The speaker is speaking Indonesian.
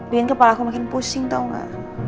bikin kepala aku makin pusing tau gak